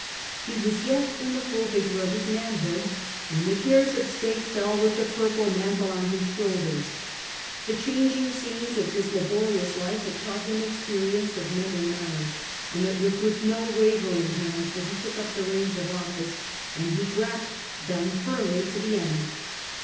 He was yet in the full vigour of his manhood when the cares of state fell with the purple mantle on his shouldeis ; the 8 The Age of the Antonincs. a.d changing scenes of his laborious life had taught him experience of men and manners, and it was with no wavering hands that he took up the reins of office, and he grasped them firmly to the end.